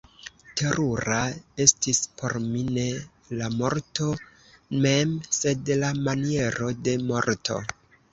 Terura estis por mi ne la morto mem, sed la maniero de morto.